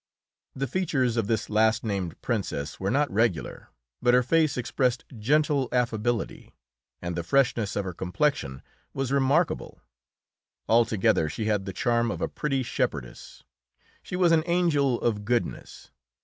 The features of this last named Princess were not regular, but her face expressed gentle affability, and the freshness of her complexion was remarkable; altogether, she had the charm of a pretty shepherdess. She was an angel of goodness.